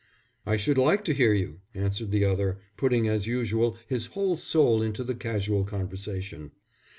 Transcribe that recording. "I should like to hear you," answered the other, putting as usual his whole soul into the casual conversation.